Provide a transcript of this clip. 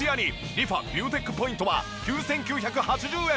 リファビューテックポイントは９９８０円。